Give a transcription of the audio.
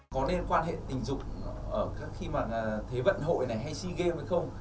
có nên quan hệ tình dục ở khi mà thế vận hội này hay sea games hay không